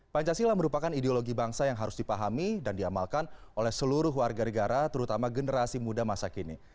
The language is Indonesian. pancasila merupakan ideologi bangsa yang harus dipahami dan diamalkan oleh seluruh warga negara terutama generasi muda masa kini